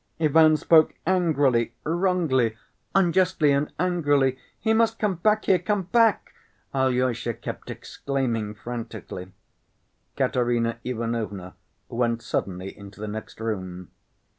Ivan spoke angrily, wrongly. Unjustly and angrily. He must come back here, come back," Alyosha kept exclaiming frantically. Katerina Ivanovna went suddenly into the next room.